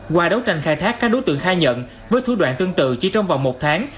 qua đấu tranh khai thác các đối tượng khai nhận với thủ đoạn tương tự chỉ trong vòng một tháng